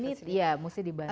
they need ya mesti dibantu